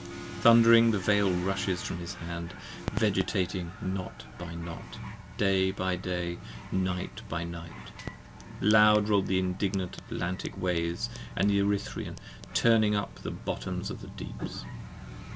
26 Thund'ring the Veil rushes from his hand, Vegetating Knot by Knot, Day by Day, Night by Night: loud roll the indignant Atlantic 63 Waves & the Erythrean, turning up the bottoms of the Deeps.